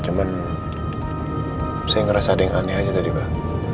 cuman saya ngerasa ada yang aneh aja tadi pak